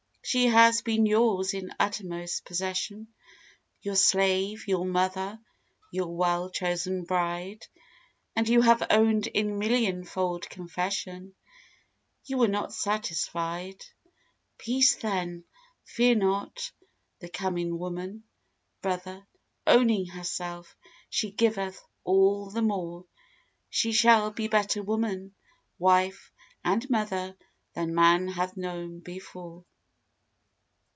She has been yours in uttermost possession Your slave, your mother, your well chosen bride And you have owned in million fold confession, You were not satisfied. Peace then! Fear not the coming woman, brother. Owning herself, she giveth all the more. She shall be better woman, wife and mother Than man hath known before.